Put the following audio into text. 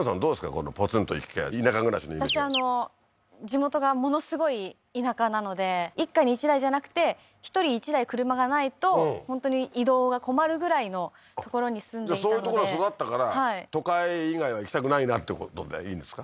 このポツンと一軒家田舎暮らしのイメージは私地元がものすごい田舎なので一家に１台じゃなくて１人１台車がないと本当に移動が困るぐらいの所に住んでいたのでそういうとこで育ったから都会以外は行きたくないなってことでいいんですか？